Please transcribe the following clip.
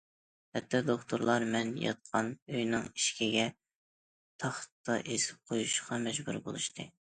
ھەتتا دوختۇرلار مەن ياتقان ئۆينىڭ ئىشىكىگە تاختا ئېسىپ قويۇشقا مەجبۇر بولۇشتى.